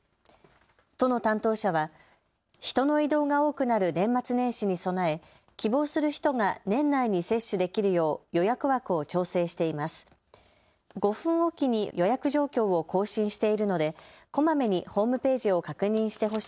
都の担当者は人の移動が多くなる年末年始に備え、希望する人が年内に接種できるよう予約枠を調整しています。